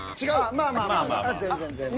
ああまあまあまあ全然全然。